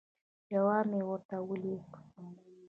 جواب مې ورته ولیکه.